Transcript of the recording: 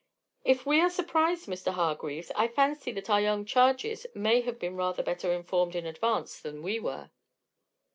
"If we are surprised, Mr. Hargreaves, I fancy that our young charges may have been rather better informed in advance than we were."